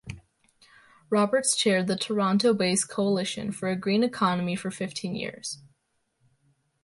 Roberts chaired the Toronto-based 'Coalition for a Green Economy for fifteen years.